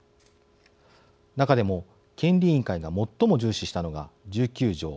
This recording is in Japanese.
中でも、権利委員会が最も重視したのが１９条。